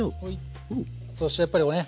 そしてやっぱりね